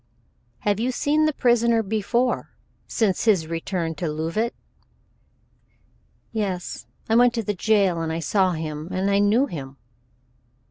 "Have you seen the prisoner before since his return to Leauvite?" "Yes, I went to the jail and I saw him, and I knew him."